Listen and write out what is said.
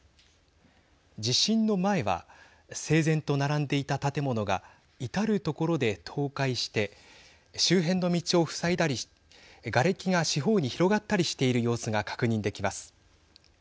地震の前は整然と並んでいた建物が至る所で倒壊して周辺の道を塞いだりがれきが四方に広がったりしている様子が確認できます。